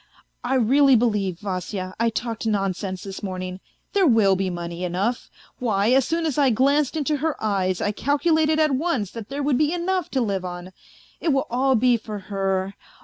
I really believe, Vasya, I talked nonsense this morning, there will be money enough; why, as soon as I glanced into her eyes I calculated at once that there would be enough to live on. It will all be for her.